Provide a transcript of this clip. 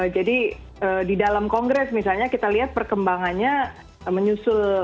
jadi di dalam kongres misalnya kita lihat perkembangannya menyusul